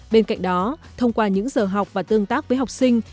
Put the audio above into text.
bên cạnh đó thông qua những giờ học và tương tác với học sinh